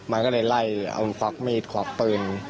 มันก็เลยไล่เอาควักมีดควักปืน